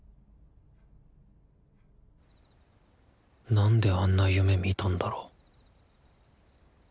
なんであんな夢見たんだろう